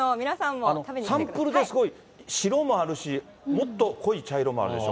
サンプルで、すごい白もあるし、もっと濃い茶色もあるでしょ。